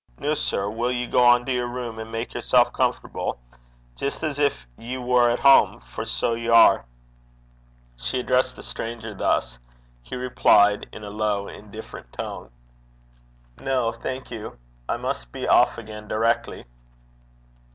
Noo, sir, will ye gang to yer room an' mak yersel' comfortable? jist as gin ye war at hame, for sae ye are.' She addressed the stranger thus. He replied in a low indifferent tone, 'No, thank you; I must be off again directly.'